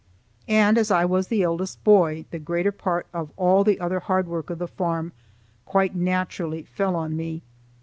And as I was the eldest boy, the greater part of all the other hard work of the farm quite naturally fell on me.